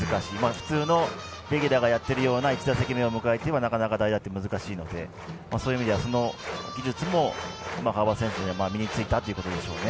普通のレギュラーがやっているような１打席目を迎えるのがなかなか代打って難しいのでそういう意味ではそういう技術も川端選手は身についたということでしょうね。